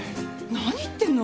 何言ってんの？